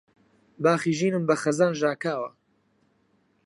باخی ژینم بە خەزان ژاکاوە